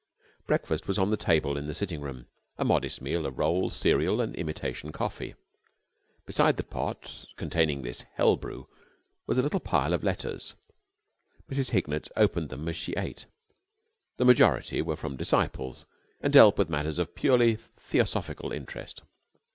Breakfast was on the table in the sitting room, a modest meal of rolls, cereal, and imitation coffee. Beside the pot containing this hell brew was a little pile of letters. Mrs. Hignett opened them as she ate. The majority were from disciples and dealt with matters of purely theosophical interest.